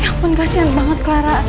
ya ampun kasihan banget clara